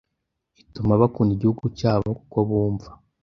utuma bakunda igihugu cyabo kuko bumva